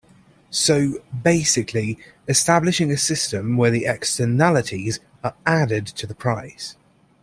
So basically establishing a system where the externalities are added to the price.